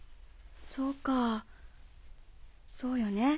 そうかぁそうよね。